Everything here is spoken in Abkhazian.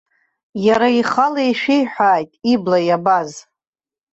Иара ихала ишәеиҳәааит ибла иабаз.